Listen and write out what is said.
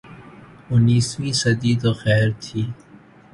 انیسویں صدی تو خیر تھی۔